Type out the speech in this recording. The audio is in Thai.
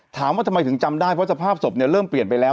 ถามว่าทำไมถึงจำได้เพราะสภาพศพเริ่มเปลี่ยนไปแล้ว